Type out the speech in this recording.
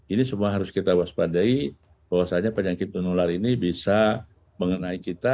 ini semua harus kita waspadai bahwasannya penyakit menular ini bisa mengenai kita